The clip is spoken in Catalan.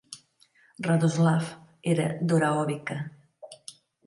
Radoslav era d'Orahovica.